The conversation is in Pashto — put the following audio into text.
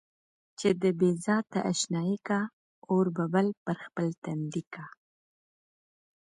چې د بې ذاته اشنايي کا، اور به بل پر خپل تندي کا.